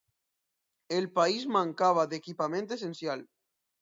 El país mancava d’equipament essencial.